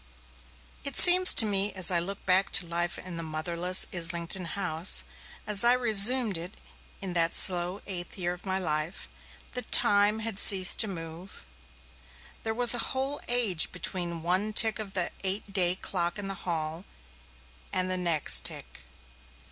It seems to me, as I look back to the life in the motherless Islington house, as I resumed it in that slow eighth year of my life, that time had ceased to move. There was a whole age between one tick of the eight day clock in the hall, and the next tick.